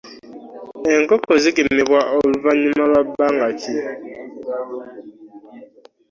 Enkoko zigemebwa oluvanyuma lwabanga ki?